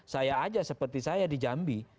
saya aja seperti saya di jambi